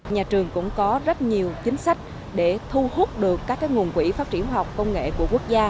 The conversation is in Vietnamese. nhà trường cũng có rất nhiều chính sách để thu hút được các nguồn quỹ phát triển khoa học công nghệ của quốc gia